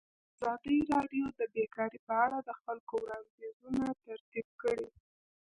ازادي راډیو د بیکاري په اړه د خلکو وړاندیزونه ترتیب کړي.